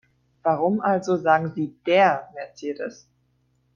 Warum also sagen Sie DER Mercedes?